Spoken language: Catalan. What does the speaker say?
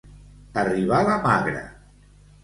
Arribar la Magra.